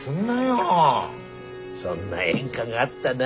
そんな演歌があったな。